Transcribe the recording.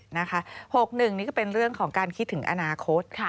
๖๑นี่ก็เป็นเรื่องของการคิดถึงอนาคต